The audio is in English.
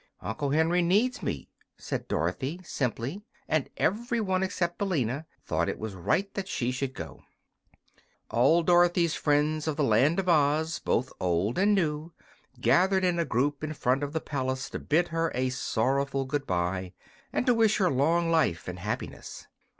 "Uncle Henry needs me," said Dorothy, simply; and every one except Billina thought it was right that she should go. All Dorothy's friends of the Land of Oz both old and new gathered in a group in front of the palace to bid her a sorrowful good bye and to wish her long life and happiness.